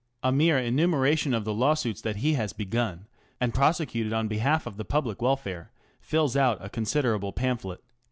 A mere enumeration of the lawsuits that he has begun and prosecuted on behalf of the public welfare fills out a considerable pamphlet.